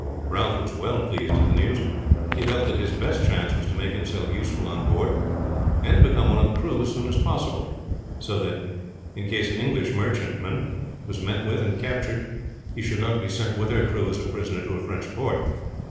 Ralph was well pleased at the news. He felt that his best chance was to make himself useful on board, and to become one of the crew as soon as possible, so that in case an English merchantman was met with and captured he should not be sent with her crew as a prisoner to a French port.